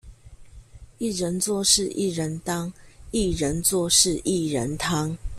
一人做事一人當，薏仁做事薏仁湯